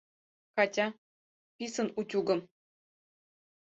— Катя, писын утюгым...